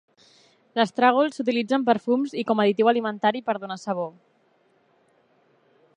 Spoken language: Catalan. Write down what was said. L'estragol s'utilitza en perfums i com additiu alimentari per donar sabor.